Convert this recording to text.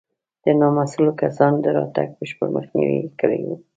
د نامسوولو کسانو د راتګ بشپړ مخنیوی یې کړی و.